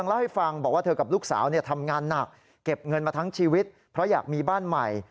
มีงานหนักเก็บเงินมาทั้งชีวิตเพราะอยากมีบ้านใหม่